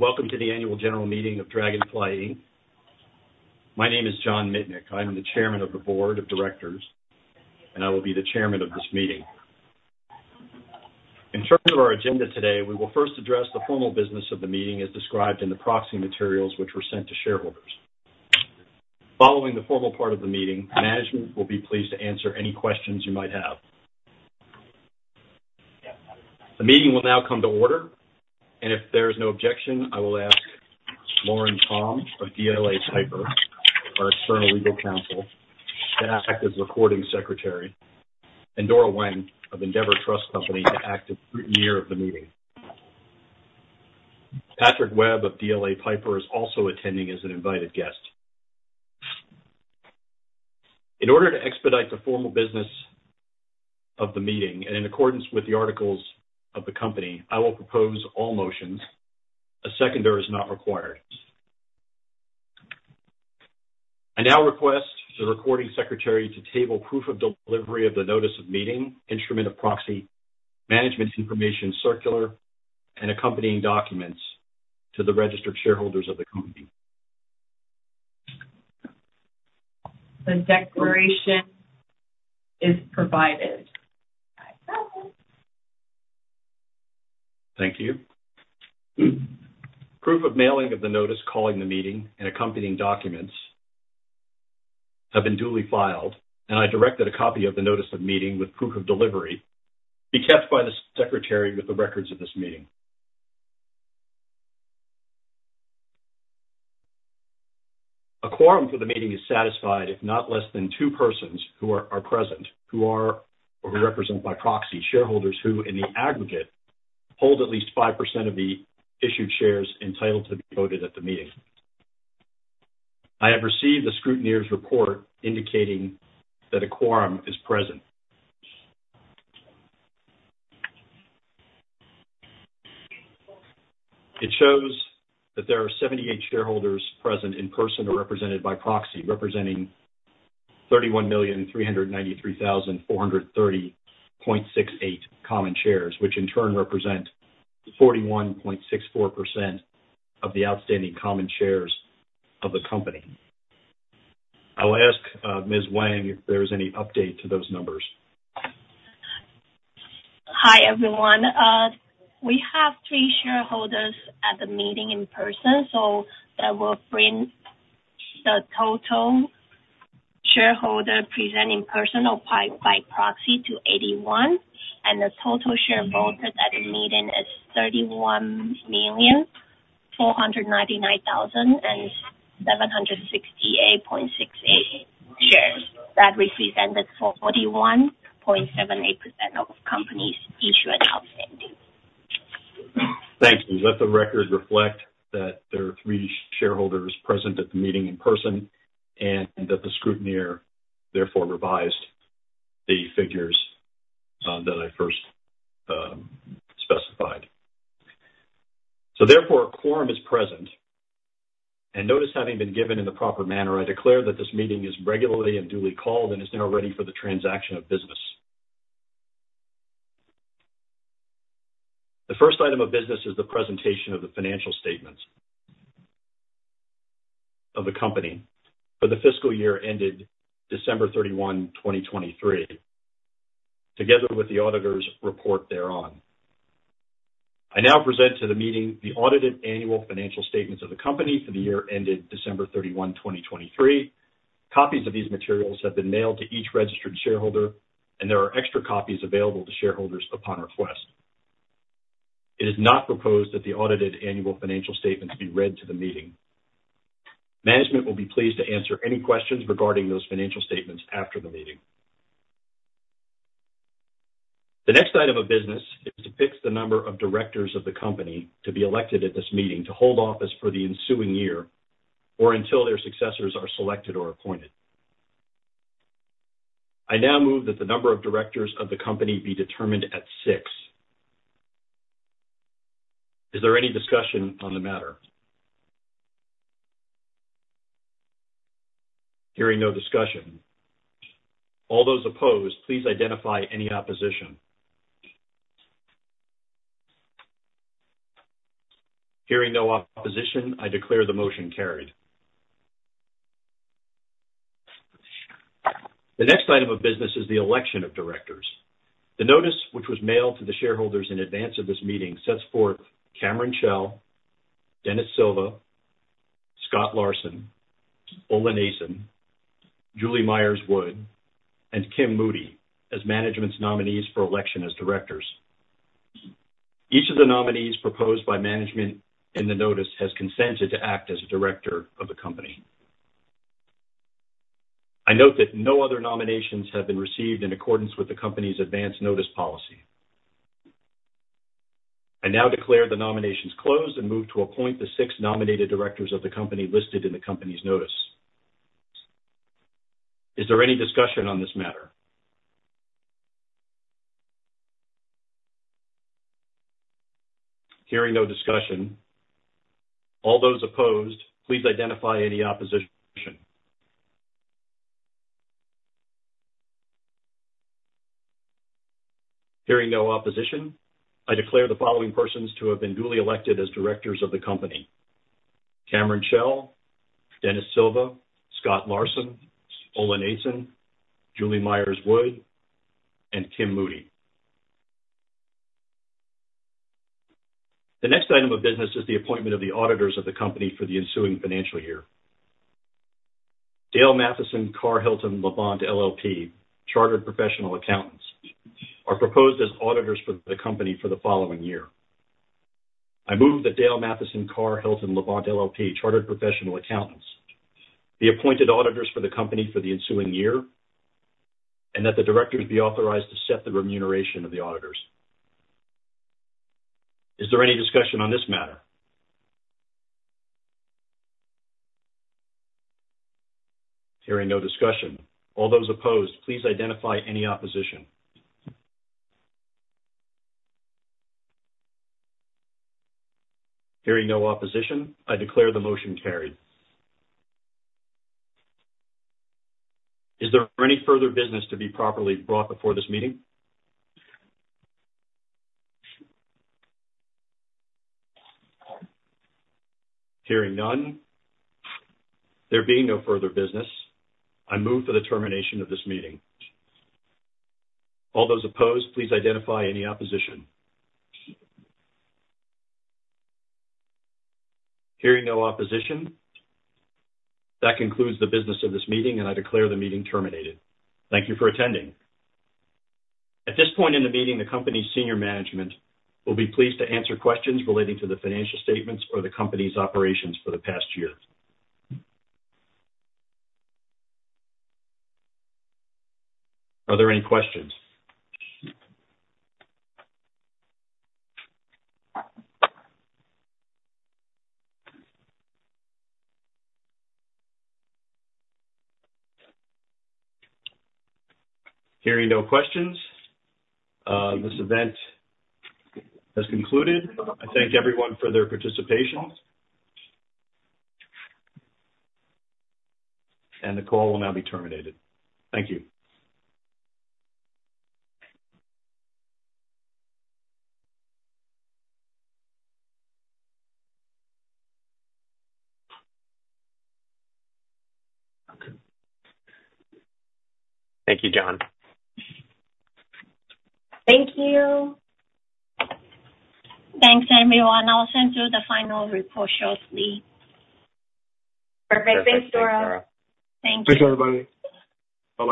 ...Welcome to the annual general meeting of Draganfly Inc. My name is John Mitnick. I'm the chairman of the board of directors, and I will be the chairman of this meeting. In terms of our agenda today, we will first address the formal business of the meeting, as described in the proxy materials which were sent to shareholders. Following the formal part of the meeting, management will be pleased to answer any questions you might have. The meeting will now come to order, and if there is no objection, I will ask Lauren Tom of DLA Piper, our external legal counsel, to act as recording secretary, and Dora Wang of Endeavor Trust Corporation to act as scrutineer of the meeting. Patrick Webb of DLA Piper is also attending as an invited guest. In order to expedite the formal business of the meeting and in accordance with the articles of the company, I will propose all motions. A seconder is not required. I now request the recording secretary to table proof of delivery of the Notice of Meeting, Instrument of Proxy, Management's Information Circular, and accompanying documents to the registered shareholders of the company. The declaration is provided. Thank you. Proof of mailing of the notice, calling the meeting and accompanying documents have been duly filed, and I directed a copy of the Notice of Meeting with proof of delivery be kept by the secretary with the records of this meeting. A quorum for the meeting is satisfied if not less than two persons who are present or who represent by proxy shareholders who, in the aggregate, hold at least 5% of the issued shares entitled to be voted at the meeting. I have received the scrutineer's report indicating that a quorum is present. It shows that there are 78 shareholders present in person or represented by proxy, representing 31,393,430.68 common shares, which in turn represent 41.64% of the outstanding common shares of the company. I'll ask Ms. Wang if there's any update to those numbers. Hi, everyone. We have three shareholders at the meeting in person, so that will bring the total shareholder present in person or by proxy to 81. The total share voted at the meeting is 31,499,768.68 shares. That represented 41.78% of company's issued outstanding. Thank you. Let the record reflect that there are three shareholders present at the meeting in person, and that the scrutineer therefore revised the figures that I first specified. So therefore, a quorum is present. Notice having been given in the proper manner, I declare that this meeting is regularly and duly called and is now ready for the transaction of business. The first item of business is the presentation of the financial statements of the company for the fiscal year ended December 31, 2023, together with the auditor's report thereon. I now present to the meeting the audited annual financial statements of the company for the year ended December 31, 2023. Copies of these materials have been mailed to each registered shareholder, and there are extra copies available to shareholders upon request. It is not proposed that the audited annual financial statements be read to the meeting. Management will be pleased to answer any questions regarding those financial statements after the meeting. The next item of business is to fix the number of directors of the company to be elected at this meeting to hold office for the ensuing year or until their successors are selected or appointed. I now move that the number of directors of the company be determined at six. Is there any discussion on the matter? Hearing no discussion, all those opposed, please identify any opposition. Hearing no opposition, I declare the motion carried. The next item of business is the election of directors. The notice, which was mailed to the shareholders in advance of this meeting, sets forth Cameron Chell, Denis Silva, Scott Larson, Olen Aasen, Julie Myers Wood, and Kim Moody as management's nominees for election as directors. Each of the nominees proposed by management in the notice has consented to act as a director of the company. I note that no other nominations have been received in accordance with the company's advance notice policy. I now declare the nominations closed and move to appoint the six nominated directors of the company listed in the company's notice. Is there any discussion on this matter? Hearing no discussion, all those opposed, please identify any opposition.... Hearing no opposition, I declare the following persons to have been duly elected as directors of the company: Cameron Chell, Denis Silva, Scott Larson, Olen Aasen, Julie Myers Wood, and Kim Moody. The next item of business is the appointment of the auditors of the company for the ensuing financial year. Dale Matheson Carr-Hilton Labonte LLP, Chartered Professional Accountants, are proposed as auditors for the company for the following year. I move that Dale Matheson Carr-Hilton Labonte LLP, Chartered Professional Accountants, be appointed auditors for the company for the ensuing year, and that the directors be authorized to set the remuneration of the auditors. Is there any discussion on this matter? Hearing no discussion, all those opposed, please identify any opposition. Hearing no opposition, I declare the motion carried. Is there any further business to be properly brought before this meeting? Hearing none, there being no further business, I move for the termination of this meeting. All those opposed, please identify any opposition. Hearing no opposition, that concludes the business of this meeting, and I declare the meeting terminated. Thank you for attending. At this point in the meeting, the company's senior management will be pleased to answer questions relating to the financial statements or the company's operations for the past year. Are there any questions? Hearing no questions, this event has concluded. I thank everyone for their participation. The call will now be terminated. Thank you. Thank you, John. Thank you. Thanks, everyone. I'll send you the final report shortly. Perfect. Thanks, Dora. Thank you. Thanks, everybody. Bye-bye.